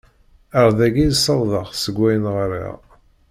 Ar dagi i ssawḍeɣ seg wayen ɣriɣ.